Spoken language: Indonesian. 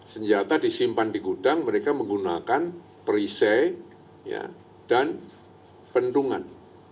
senjata disimpan di gudang mereka menggunakan perise dan pendungan